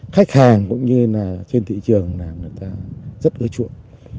khách hàng cũng như là trên thị trường là người ta rất ưa chuộng